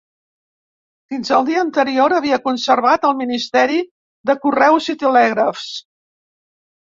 Fins al dia anterior havia conservat el ministeri de correus i telègrafs.